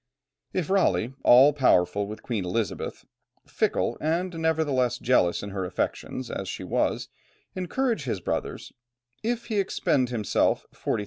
If Raleigh, all powerful with Queen Elizabeth, fickle and nevertheless jealous in her affections as she was, encourage his brothers; if he expend himself 40,000_l.